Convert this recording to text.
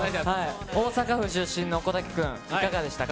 大阪府出身の小瀧君、いかがでしたか？